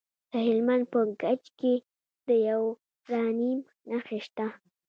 د هلمند په کجکي کې د یورانیم نښې شته.